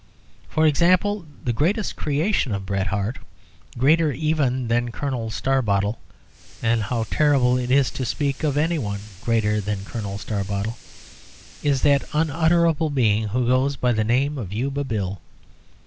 For example, the greatest creation of Bret Harte, greater even than Colonel Starbottle (and how terrible it is to speak of anyone greater than Colonel Starbottle!) is that unutterable being who goes by the name of Yuba Bill.